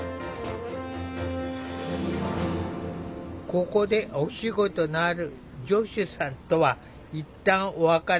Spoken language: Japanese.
ここでお仕事のあるジョシュさんとは一旦お別れ。